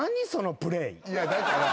いやだから。